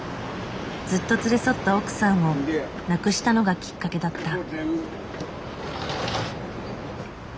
ずっと連れ添った奥さんを亡くしたのがきっかけだった。